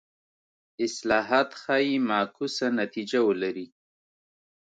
اصلاحات ښايي معکوسه نتیجه ولري.